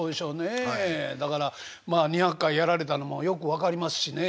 だから２００回やられたのもよく分かりますしね。